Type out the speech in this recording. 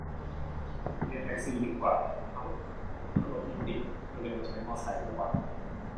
น้องเรียกแท็กซี่ดีกว่า เอ๊า ก็รถมันติดคนเลยมาใช้มอไซค์ปะวะ